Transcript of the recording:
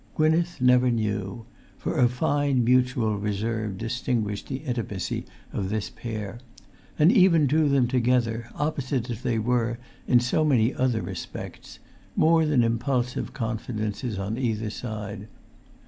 Gwynneth never knew; for a fine mutual reserve distinguished the intimacy of this pair, and even drew them together, opposite as they were in so many other respects, more than impulsive confidences on either side.